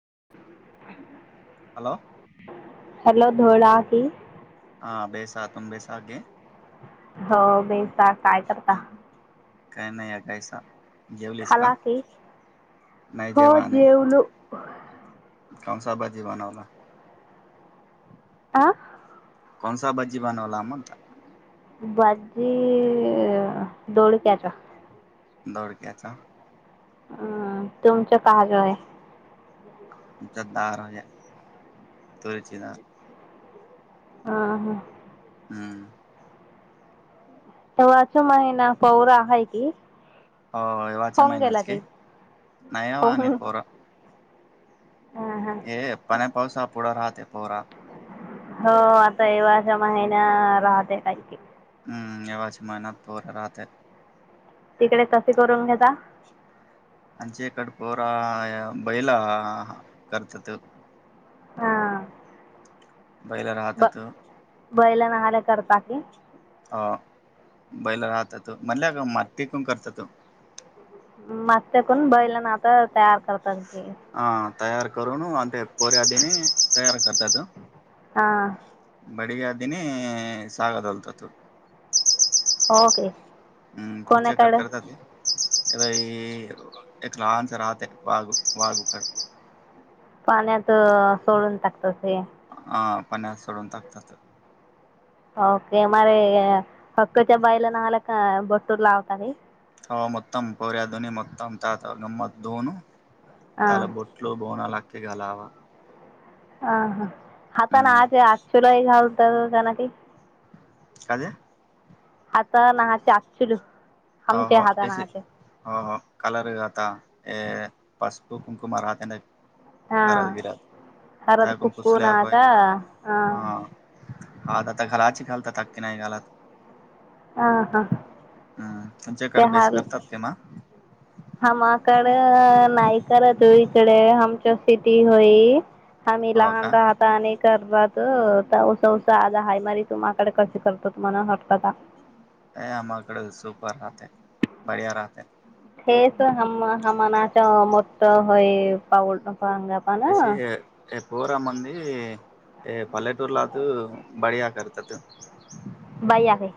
[inaudible] Hello. Hello धोळा की. हा बेस तुम बेस हा गे हो बेसा काय करता? काय नाही या [inaudible] [inaudible] नाही हो जेवाने जेवलो. [inaudible] आं. कोणसा भजी बनवला मग? बाजी दोडक्याच्या. दोडक्याचा. हम्म तुमच [inaudible] आहे. आमच्या दार्या तुरीची दार. हा हा. हम्म. [inaudible] होवाच्या होऊन महिन्यात गेला की नाहीवा आणि होऊन पोरा. अं, हं. [inaudible] तेपोरा. हो आता एवच्या महिन्या राहत की. हम्म एवच मेहनात पोर राहतेच. तिकडे कसे करून घेता? आची एकड पोरा बैला करतात. हा. बैला राहतात. बैल करता की. ह बैला राहत त म्हणल्या का मातिकून करत तो. मस्तकून बैल नाता तयार करतात. की हा तयार करून आणि ते पोर्याधने तयार करतात. हा [unintelligible] ओके कोणाकडे? ई एक लहानस राहते वाघ वाघूक पाण्यात सोडून टाकत ते. हम् पण्यात सोडून टाकतात. के मर हक्कच्या बाईला नला का बट्टूर लावता है. [unintelligible] त्याला हां बोटलो बो लागत. त्या आलावा ह हा आता ना आज आचुलाही घालतात जाण की काध आता नाहाचे आचुल. हो हो हो हो कलर गता ए पासपू कुमकुमारहात करत हां गिरत हळद त्याु कुक्कू पुसले नाहाचा हां हा आ आता घलाची घालत कीी नाही गालात. ह हा तुमच्याकडे बेस करतात. ते मा हमाकड नाही करत हो इकडे हमच्या सिटी होई, आम्ही हो लहान का राहता आणिक सर्वात उसा उसा आलं हाळी मारीत. माकड कसे करतत मला हटकता. अ आमाकडे सुपर राहते, बढिया राहते. हेच ह हमनाच मोठ हय पाऊल पाग पणा तशी [unintelligible] बाई आहे.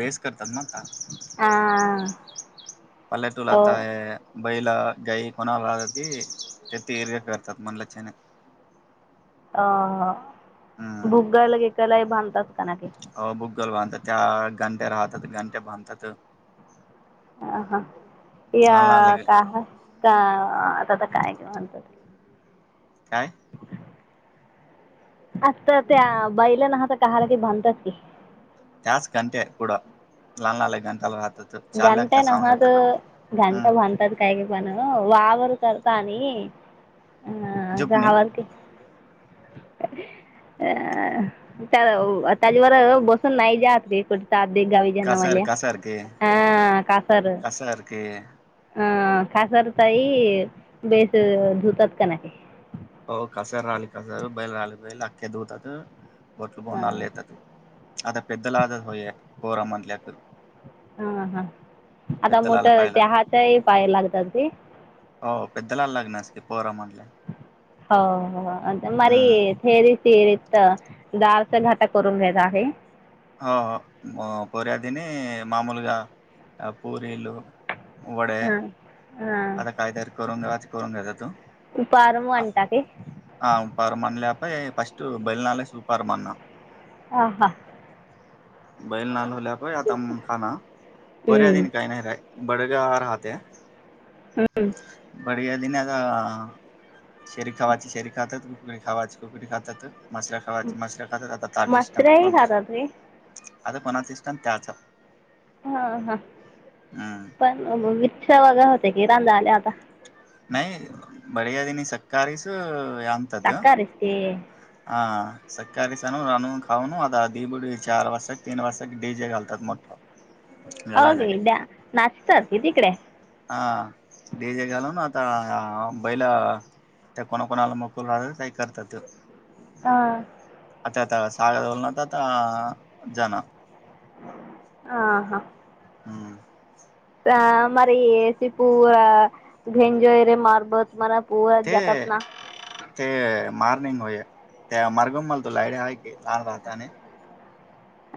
बेस करतात. म आ हो [unintelligible] गाई कोणाला ती ते इर्ग करतात म्हणल छान हाय अ भुगाला घेकाला बाधंतात. [unintelligible] ल बांधतात त्या घंट्या राहतात, घंट्या बांधतात. हा हा. या लहान लहान का? हा का. ह आता आता काय के म्हणतायेत. काय आता त्या बैलन [unintelligible] बांधतात की टास्क कणते पुढं [unintelligible] चालल्या घंटा त्या साऊंड नवात, येतात हम्म घंटा बांधतात काही पण वाव ते करता आणि ह जा झुकणे आवर की. [inaudible] अ त्याच्यावर बसून नाही जात रे कुठं. सात दे गावी कासार जानावाल्या कासार के ह कासार हं कासार ताई बेस धुतात का नाही. हो कासार आले, कासार बैल आले बैल लागत्यात धुतात. हा [unintelligible] आता पिद्दल आज होय पोरं म्हधल्यात. हा हा आता मोठ त्याहाच्याही पाय लागतात ते हो लग्नासकी पोरामनल्या [inaudible] ह हो. हम्म [unintelligible] तेरीत जाळचा घाटा करून घ्यायचा आहे. हो पोरीयादीनी मा मूलगा पूरीलो. वडे हा आता हा काहीतरी करून नेवाच करून घ्याेत तू. पारमू अंटाके [unintelligible] हा हा बैल नाल होल्या प आता खाना बर्या हम्म दिन काही नाही रा बडजा राहत्या. हम्म. [unintelligible] शेरी खवाची शेरी खात्यात. [unintelligible] मछल्या खावात [unintelligible] मसराई खातात रे आता कोणाच [unintelligible] त्याच हा हा पण विच्छ वगर होते कि रांजा आल्यात ता नाहीई बडयादी नि सकाळीस आणतात ह टाकारीच ते हा सकाळीस आणू खाऊ आता द बडी चार वाजता तीन वाजता डी जे घालतात मोठा घालायसाठी ओके द्या नाचतर घे तिकडे हा जे घाल ना आता बैला त्या कोणाकोणाला मोकल राहतात काही करतात. हा. ता सागोल नात आता जन हा हा हम्म. अमर सी पूरा घेंजोयरे मारबत मला पुअर जातात ते ना ते मार्निंग होय त्या मार्गम मल तो लाईड आहे की लहान राहता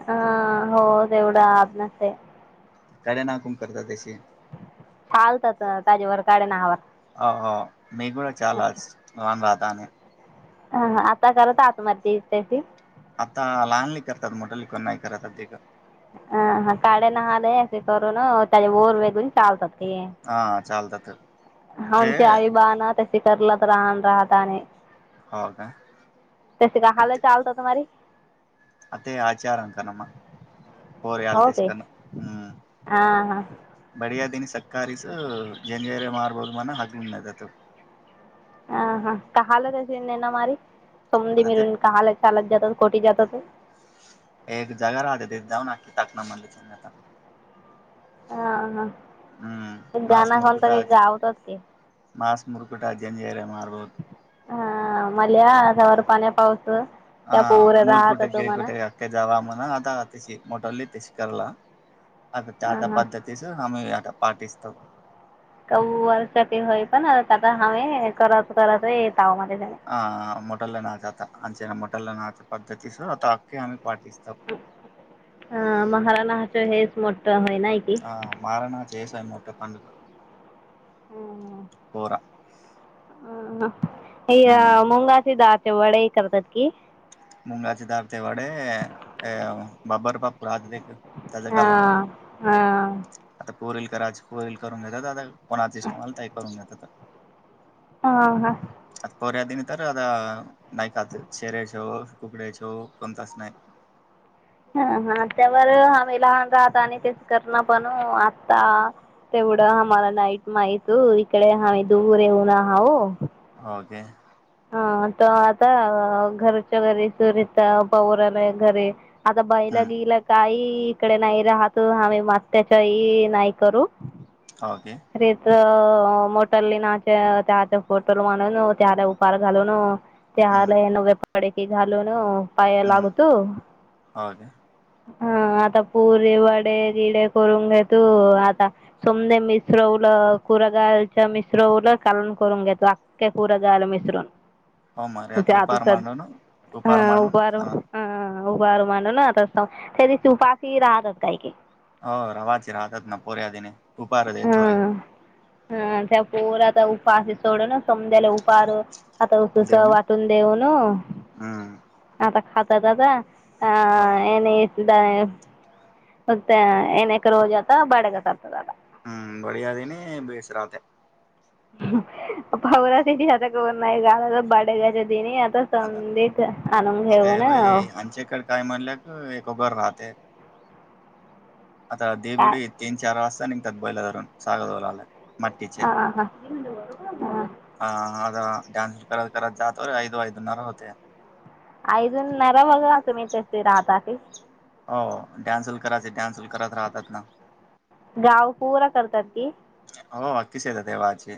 हा हो तेवढं आतनच आहे. कडे नाकूम करत त्याशे छालतात तजेवर काळे नहावा अ मी पण छानच हो ना चालेल. हा हा आता करत आत मती त्याची आता लहान ल करतात मोट ल कोण नाही करतात ब कां ह हा काळे नहाले असे करून त्याचे ओर वेगून चालतात. ते हा चालतात ते आच्या आई बा ना त [unintelligible] हो का तशी काय हालत चालता तुम्हारी अ ते आचार आणता ना मग होर याल तेच करण हम्म बढिया दिन तकारस जन जर मारबहद मना हगलमतत अ हा कालजनना म सम आता ते मिरून काहालाच सालात जातात कोटी जातात. एक जगा राहते तथे जाऊ नाी टाकणा म्ह आता हा हम्म हा गाण मास कोनत मुरकुटा काही गावतात ते मास मुरकुटा जंजेरे मारबोल हा मवर पाण्या पावस हह मुर कुट गेड कुट अका जवा म्ह आता तशी मोटाली तशी कराला आता त्या हा त्या हा पद्धतीच आम्ही पाठीस्म क वर्ष होई पण आता ह करत करत येत हा मोटल ना जात अंचना मोठल नाचे पद्धतीस आता आकी आम - - हा महाराणा हच हे - - मोट - - हो नय की - - जवसय मोठा पण का? हम्मम. होर - - ह. ह मुंगाशी दात - - वडही करतात की? मुंगाचे दब ते वडे अ बबर बापू आ दे - - त्याल काल न - - हां हां. कोरल करा कोर करून घेतात आता [unintelligible] कोणाच इम आला करून घेत ह, हा. पोहऱ्या दिनी तर आता नाही खात शेऱ्याच कुकड्याच कोणताच नाही. हा हा त्यावर आम्ही लहान राहत आणि तेच करण पण आता तेवढं आम्हाला नाईट माहित इकडे आम्ही दूर येऊन आहो. ओके. ह त आता घरच्या घरी सुरता पवराला घरी - - आता हम्म बैलागिला काही इकडे नाही राहत. आम्ही मात्याच्याही नाही करू. खरेत - - अ मोटली नाच्या त्याचे फोटो मानून त्याला उपार घालून - - ते हलन वेप - - कडेकी घालो न पायलागतो. हा आता पुरी वडे - - मिसरवलं कुरगालच्या मिसरवलं कालन करून घेतो अख्ख्या कुरगाल मिसरून हो मर आता ते उपहार सध्या मांडून उपहार मांडून ख उभ रू म्हल ना त्यारी सुफशी राहतात काही की - - हो रवाची राहतात ना पोऱ्या दिने उपार दे तोरी हा हा. त्या पोराता उपाशी सोड ना. समद्याला उपार आता तस वाटून देऊन हम्म. आता - - खाता दादा. ह. हो. अणे द मत येनक रोज आता बडगततदला - - हम्म बढिया [unintelligible] बेस राते. [unintelligible] आता. संधीत आणून आता घेऊन यावेळी आमच्या एकड काय म्हणलेत, एकोबा राहते. आता काय देगुडी तीन चार वाज निघतात बैलं धरून, [unintelligible] सागरोला आलाय. आ हा हा. आ डान्स करत करत जातोय, आयदो आयदो नरद होते. आयजून नरा बघा, तुम्ही कसे राहता ते? हो डान्सल करायचं, डान्सल करत राहतात ना. गाव पूरा करतात ती. हो. अक्कीच येतात तेव्हाचे.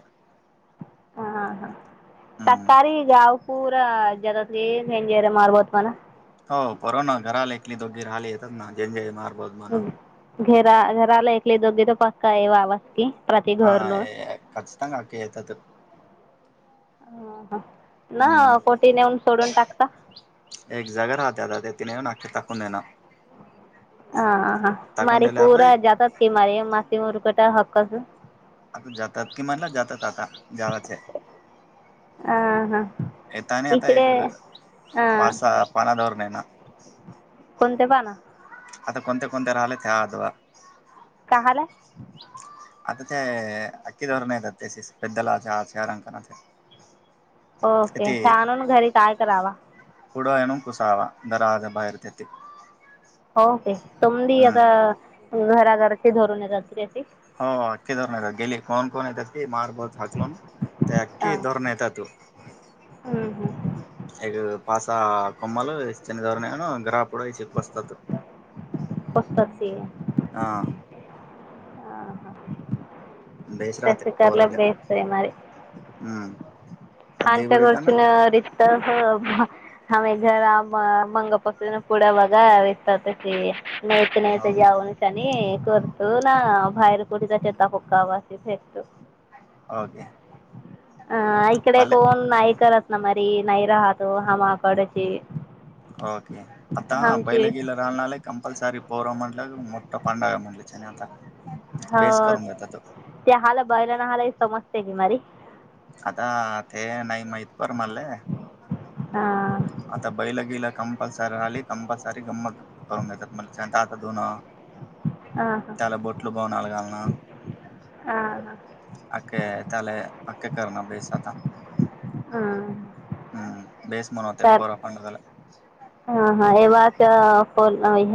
हा हम्म. साकारी हाय गाव. पूरा जगातली, हेंजर मारबोत मला. हो बरो ना, घराला एकली दोकली राहिली येतात ना झेंजे मार बत मना. घरा घराला ऐकले दोघे त पक्का हे वावाच की. प्रति हा घरनं ये खचखंग नक्की येतात. हां हां ना हम्म. कोटी नेऊन सोडून टाकता एक जाग राहत्यालं ते ति नाकिता. कुणे ना. हा हा हा. मारी पूरा जातात की मारे मासे रउरकटा हक कसं? आता जातात किमान ना जातात आता जाराचे. हां हां येताने आता इकडे एक हां पासा पाना दोर नाई ना? कोणते पाना? आता कोणते कोणते राहिले त्यातवा. काहले? आता काय अखकी धरू नाहीेतात तेसीस. तेला का [unintelligible] ओके ते आणून घरी काय करावा? पुुडायणूम कुसावा, दरवाजा बाहेर तेते. ओके तुमदी आता घराघरची धरून जातील्याती? होे, ती धरून गेली. कोण कोण येत्याती मार फसलोना. ते अक्की हां धरूण येता तू? एक पासा कोम्मल शनगरन्यानो गरापुढे बसतात. पसतात ते हा हा. ते शिकारला बेस्ट हाय मारे. खानच्या घरची न रीज तर हो, आम्ही घरा म मंगपसूनून पुढं बघा वेचता तशी. नाहीत नाही तर जाऊनच आणि करतो ना बाहेर कुठचा चेता फक्कावाशी भेटतो. ओके. अ इकडे कोण नाही करत न मरी नै राहतो हामा कडच, ओके. आता बैलगेला राणाले कंपलसारीव. पोरा म्हटलं क मोठा पंडग म्हणलं च ने आता. ह बेस करून घेतात ते हला बैलाना हला समजते. [unintelligible] आता ते नाही माहीत पर मले, हां, आता बैल गेला कंपल्सरी राहिली कंपल्सरी गम्मत करून घेतात मला दात दोन हां हां चला बोटल बवनालागलना. हा. अके तले अके करणार बेस आता. हम. हम्म बेस म्हनो होते पोरा पंड झाला. हा हा एव्हाच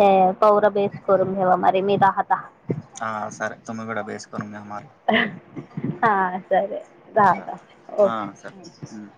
हे पौर बेस करून घ्यावा मारी मीदा हता. हा सर तुम्ही गड बेस को म [unintelligible] हा सर ले राहता हा ओके सर हम्.